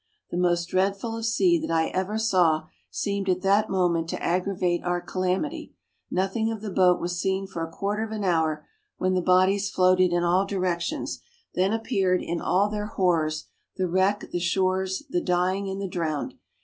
The most dreadful sea that I ever saw seemed at that moment to aggravate our calamity; nothing of the boat was seen for a quarter of an hour, when the bodies floated in all directions; then appeared, in all their horrors, the wreck, the shores, the dying and the drowned!